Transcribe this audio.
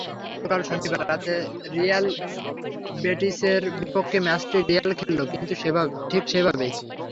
গতকাল শনিবার রাতে রিয়াল বেটিসের বিপক্ষে ম্যাচটি রিয়াল খেলল ঠিক সেভাবেই।